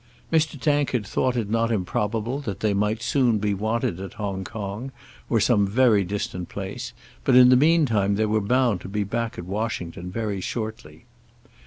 Mr. Tankard thought it not improbable that they might soon be wanted at Hong Kong, or some very distant place, but in the meantime they were bound to be back at Washington very shortly.